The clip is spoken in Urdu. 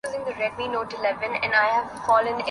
لوگوں پر چلاتا ہوں